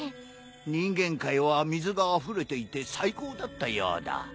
人間界は水があふれていて最高だったようだ。